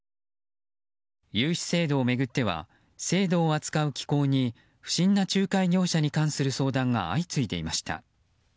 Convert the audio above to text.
融資制度を巡っては制度を扱う機構に不審な仲介業者に関する相談が相次いでいました。